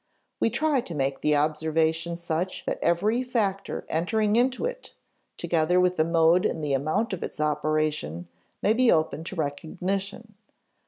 We try to make the observation such that every factor entering into it, together with the mode and the amount of its operation, may be open to recognition.